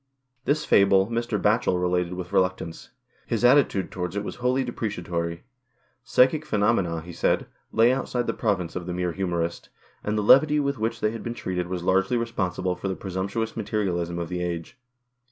This fable Mr. Batchel related with reluc tance. His attitude towards it was wholly deprecatory. Psychic phenomena, he said, lay outside the province of the mere humourist, and the levity with which they had been treated was largely responsible for the presumptuous materialism of the age.